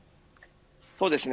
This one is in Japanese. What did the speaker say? そうですね。